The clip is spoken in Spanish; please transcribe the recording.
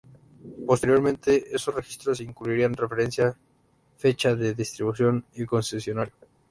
Posteriormente esos registros incluirían referencia, fecha de distribución y concesionario.